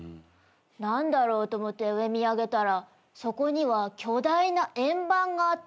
何だろうと思って上見上げたらそこには巨大な円盤があったんだよね。